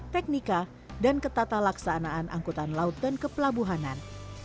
teknika dan ketata laksanaan angkutan laut dan kepelabuhanan